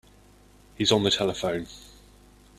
He's on the telephone.